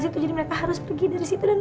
ini menu spesial dari restoran ini